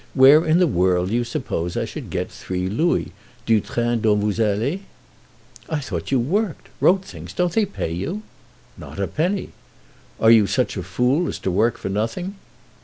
"Where in the world do you suppose I should get three louis, du train dont vous allez?" "I thought you worked—wrote things. Don't they pay you?" "Not a penny." "Are you such a fool as to work for nothing?"